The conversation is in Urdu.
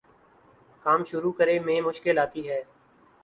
کام شروع کرے میں مشکل آتی ہے